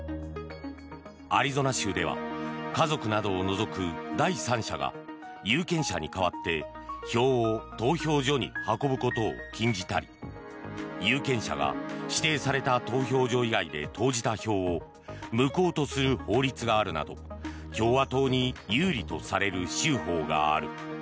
アリゾナ州では、家族などを除く第三者が有権者に代わって票を投票所に運ぶことを禁じたり有権者が指定された投票所以外で投じた票を無効とする法律があるなど共和党に有利とされる州法がある。